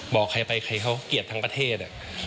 บอกใครไปใครเขาเกลียดทั้งประเทศ